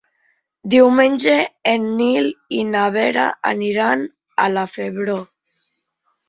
Diumenge en Nil i na Vera aniran a la Febró.